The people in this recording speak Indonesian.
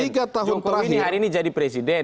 jokowi hari ini jadi presiden